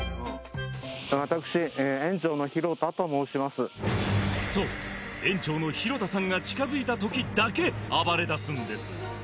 私そう園長の広田さんが近づいた時だけ暴れだすんです